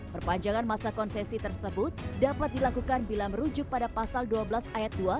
perpanjangan masa konsesi tersebut dapat dilakukan bila merujuk pada pasal dua belas ayat dua